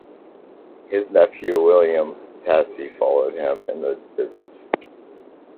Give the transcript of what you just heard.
His nephew William Tassie followed him in the business.